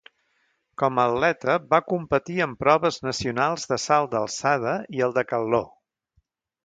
Com a atleta va competir en proves nacionals de salt d'alçada i el decatló.